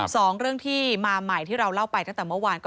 สองเรื่องที่มาใหม่ที่เราเล่าไปตั้งแต่เมื่อวาน